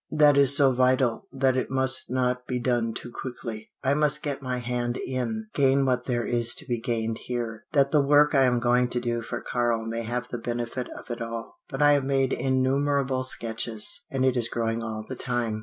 That is so vital that it must not be done too quickly. I must get my hand in, gain what there is to be gained here, that the work I am going to do for Karl may have the benefit of it all. But I have made innumerable sketches, and it is growing all the time.